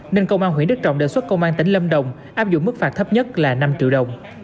nên công an huyện đức trọng đề xuất công an tỉnh lâm đồng áp dụng mức phạt thấp nhất là năm triệu đồng